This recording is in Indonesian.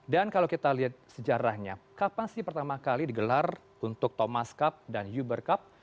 dan kalau kita lihat sejarahnya kapan sih pertama kali digelar untuk thomas cup dan uber cup